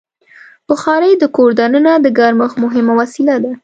بخاري د کور دننه د ګرمښت مهمه وسیله ده.